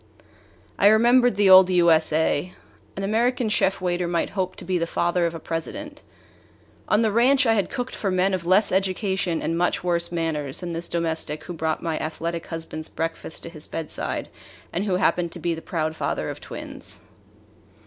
I remembered the old U. S. A. An American chef waiter might hope to be the father of a President. On the ranch I had cooked for men of less education and much worse manners than this domestic who brought my athletic husband's breakfast to his bedside and who happened to be the proud father of twins.